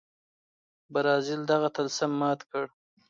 برازیل دغه طلسم مات کړ.